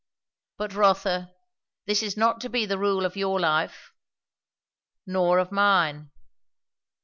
But, Rotha, this is not to be the rule of your life, nor of mine."